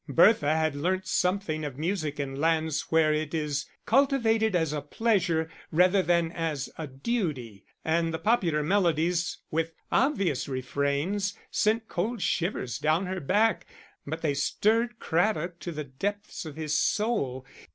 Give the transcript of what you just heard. Bertha had learnt something of music in lands where it is cultivated as a pleasure rather than as a duty, and the popular melodies with obvious refrains sent cold shivers down her back; but they stirred Craddock to the depths of his soul.